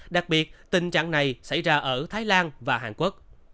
đặc biệt tình trạng này xảy ra ở thái lan và hàn quốc